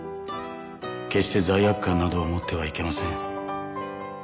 「決して罪悪感などを持ってはいけません」